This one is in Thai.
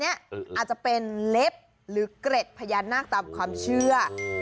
อาจจะเป็นเล็บหรือเกร็ดพญานาคตามความเชื่อ